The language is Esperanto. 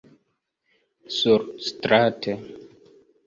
surstrate